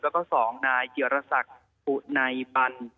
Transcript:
แล้วก็สองนายเกียรษักริมปุ่นัยปัณธ์